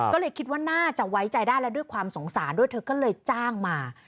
ก็เลยคิดว่าน่าจะไว้ใจได้แล้วด้วยความสงสารด้วยเธอก็เลยจ้างมา